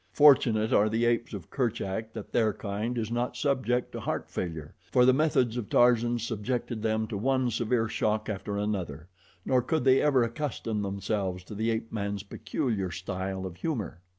Fortunate are the apes of Kerchak that their kind is not subject to heart failure, for the methods of Tarzan subjected them to one severe shock after another, nor could they ever accustom themselves to the ape man's peculiar style of humor.